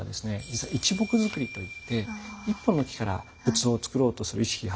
実は一木造りと言って１本の木から仏像を造ろうとする意識が働くんですね。